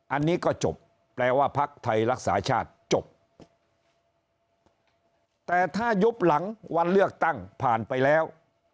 อันนี้ก็จบแปลว่าภักดิ์ไทยรักษาชาติจบแต่ถ้ายุบหลังวันเลือกตั้งผ่านไปแล้ว